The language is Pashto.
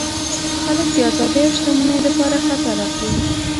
خلک د آزادۍ او شتمنۍ لپاره خطر اخلي.